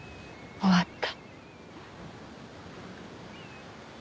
終わった。